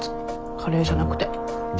カレーじゃなくて。でしょ？